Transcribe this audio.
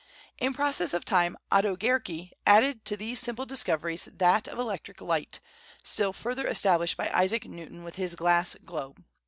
In process of time Otto Guericke added to these simple discoveries that of electric light, still further established by Isaac Newton, with his glass globe.